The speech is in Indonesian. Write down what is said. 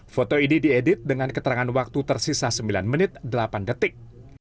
foto ini diedit dengan keterangan waktu tersisa sembilan menit delapan detik